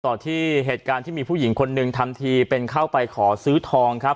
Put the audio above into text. ต่อที่เหตุการณ์ที่มีผู้หญิงคนหนึ่งทำทีเป็นเข้าไปขอซื้อทองครับ